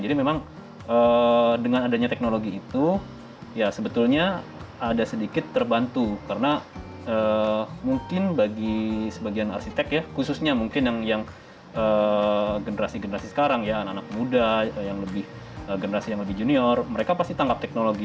jadi memang dengan adanya teknologi itu ya sebetulnya ada sedikit terbantu karena mungkin bagi sebagian arsitek ya khususnya mungkin yang generasi generasi sekarang ya anak anak muda generasi yang lebih junior mereka pasti tangkap teknologi